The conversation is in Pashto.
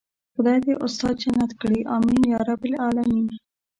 خدای دې استاد جنت کړي آمين يارب العالمين.